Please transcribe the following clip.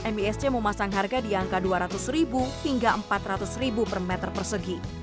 misc memasang harga di angka dua ratus ribu hingga empat ratus per meter persegi